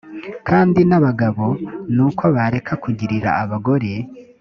kandi n abagabo ni uko bareka kugirira abagore